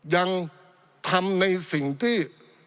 ยังทำในสิ่งที่